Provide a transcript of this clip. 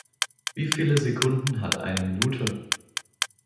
Wie viele Sekunden hat eine Minute?